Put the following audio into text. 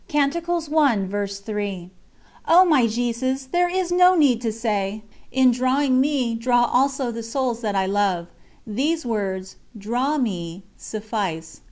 " O my Jesus, there is no need to say: "In drawing me, draw also the souls that I love": these words, "Draw me," suffice.